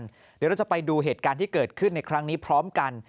เดี๋ยวเราจะไปดูเหตุการณ์ที่เกิดขึ้นในครั้งนี้พร้อมกัน